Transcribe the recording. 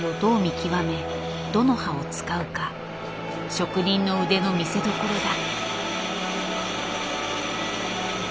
職人の腕の見せどころだ。